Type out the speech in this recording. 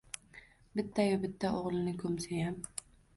Bittayu bitta o‘g‘lini ko‘msayam.